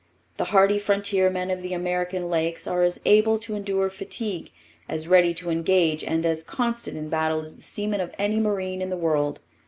The hardy frontier men of the American lakes are as able to endure fatigue, as ready to engage and as constant in battle as the seamen of any marine in the world.